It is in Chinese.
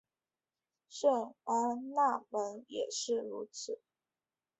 圣安娜门也是如此。